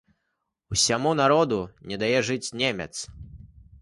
Усяму народу не дае жыць немец.